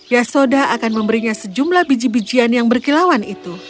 yasoda akan memberinya sejumlah biji bijian yang berkilauan itu